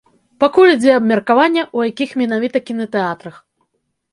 Пакуль ідзе абмеркаванне, у якіх менавіта кінатэатрах.